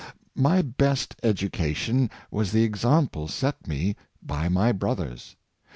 My best education was the example set me by my brothers.